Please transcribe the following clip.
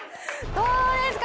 どうですか？